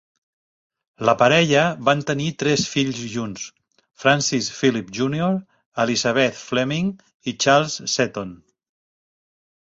La parella van tenir tres fills junts: Francis Philip Junior, Elizabeth Fleming i Charles Seton.